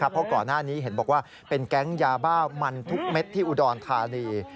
เพราะก่อนหน้านี้เห็นบอกว่าเป็นแก๊งยาบ้ามันทุกเม็ดที่อุดรธานี